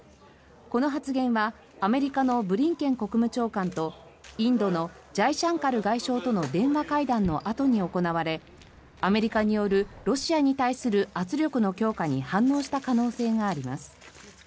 この発言はアメリカのブリンケン国務長官とインドのジャイシャンカル外相との電話会談のあとに行われアメリカによるロシアに対する圧力の強化に反応した可能性があります。